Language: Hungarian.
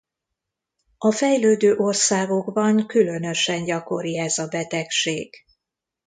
A fejlődő országokban különösen gyakori ez a betegség.